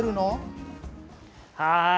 はい。